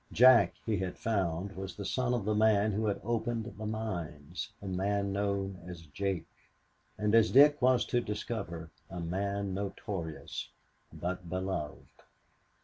Jack, he had found, was the son of the man who had opened the mines, a man known as "Jake," and, as Dick was to discover, a man notorious, but beloved.